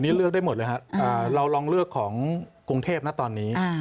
นี่เลือกได้หมดเลยครับเราลองเลือกของกรุงเทพนะตอนนี้